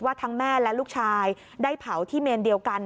ทั้งแม่และลูกชายได้เผาที่เมนเดียวกัน